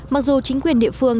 mặc dù chính quyền địa phương